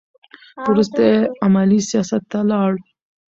وروسته یې عملي سیاست ته لاړ.